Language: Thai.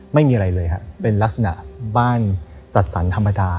ไม่มีอะไรเลยครับเป็นลักษณะบ้านจัดสรรธรรมดา